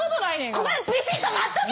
ここでぴしっと待っとけ。